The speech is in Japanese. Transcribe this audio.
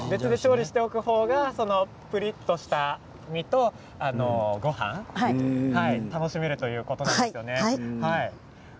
別に料理にしておいた方がプリッとした身とごはんが楽しめるということなんですね。